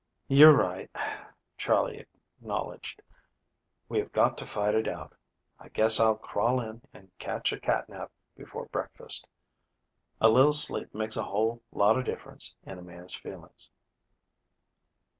"You're right," Charley acknowledged. "We have got to fight it out. I guess I'll crawl in and catch a catnap before breakfast. A little sleep makes a whole lot of difference in a man's feelings."